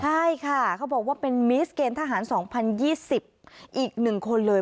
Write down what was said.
ใช่ค่ะเขาบอกว่าเป็นมิสเกณฑ์ทหาร๒๐๒๐อีก๑คนเลย